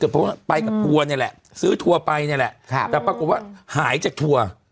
เพราะว่าไปกับทัวร์นี่แหละซื้อทัวร์ไปเนี่ยแหละแต่ปรากฏว่าหายจากทัวร์